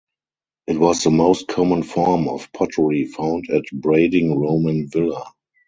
It was the most common form of pottery found at Brading Roman Villa.